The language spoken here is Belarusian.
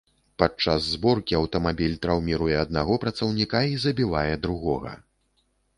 Падчас зборкі, аўтамабіль траўміруе аднаго працаўніка і забівае другога.